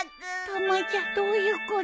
たまちゃんどういうこと？